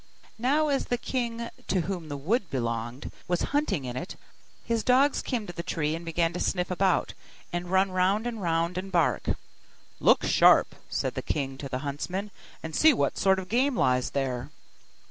Now as the king to whom the wood belonged was hunting in it, his dogs came to the tree, and began to snuff about, and run round and round, and bark. 'Look sharp!' said the king to the huntsmen, 'and see what sort of game lies there.